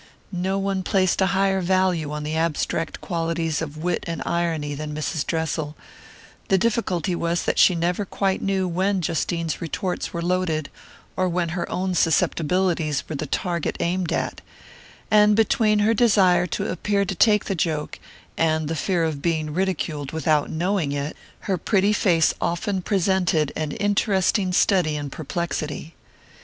No one placed a higher value on the abstract qualities of wit and irony than Mrs. Dressel; the difficulty was that she never quite knew when Justine's retorts were loaded, or when her own susceptibilities were the target aimed at; and between her desire to appear to take the joke, and the fear of being ridiculed without knowing it, her pretty face often presented an interesting study in perplexity.